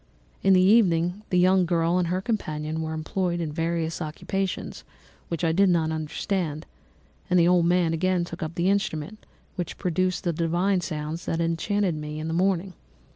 In the evening the young girl and her companion were employed in various occupations which I did not understand; and the old man again took up the instrument which produced the divine sounds that had enchanted me in the morning.